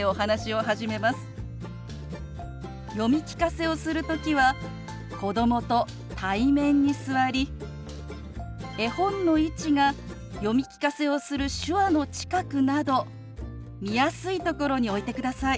読み聞かせをする時は子どもと対面に座り絵本の位置が読み聞かせをする手話の近くなど見やすいところに置いてください。